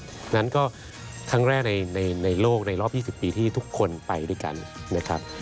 เพราะฉะนั้นก็ครั้งแรกในโลกในรอบ๒๐ปีที่ทุกคนไปด้วยกันนะครับ